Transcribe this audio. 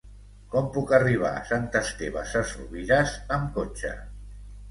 Com puc arribar a Sant Esteve Sesrovires amb cotxe?